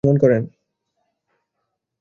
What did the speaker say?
তিনি পরলোক গমন করেন ।